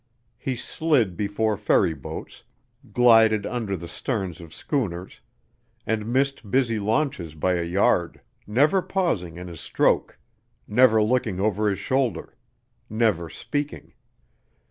He slid before ferry boats, gilded under the sterns of schooners, and missed busy launches by a yard, never pausing in his stroke, never looking over his shoulder, never speaking.